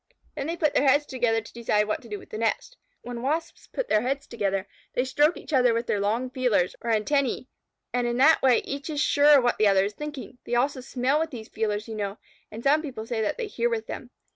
Then they put their heads together to decide what to do with the nest. When Wasps put their heads together, they stroke each other with their long feelers, or antennæ, and in that way each is sure what the other is thinking. They also smell with these feelers, you know, and some people say that they hear with them.